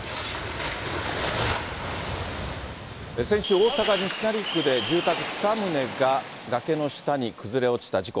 先週、大阪・西成区で住宅２棟が崖の下に崩れ落ちた事故。